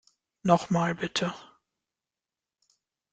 Noch mal, bitte.